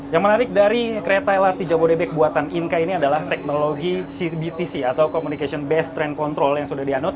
yang menarik dari kereta lrt jabodebek buatan inka ini adalah teknologi cbtc atau communication based train control yang sudah dianut